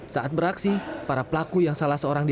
saat beraksi para pelaku yang salah seorang diri